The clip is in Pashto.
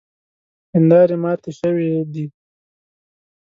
هیندارې ماتې شوې دي.